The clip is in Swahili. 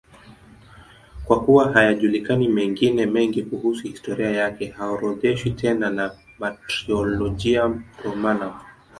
Kwa kuwa hayajulikani mengine mengi kuhusu historia yake, haorodheshwi tena na Martyrologium Romanum.